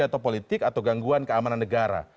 atau politik atau gangguan keamanan negara